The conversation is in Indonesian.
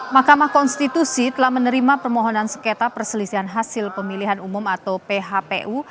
mahkamah konstitusi telah menerima permohonan sengketa perselisihan hasil pemilihan umum atau phpu